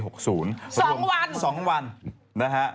สองวันสองวันสองวันนะฮะ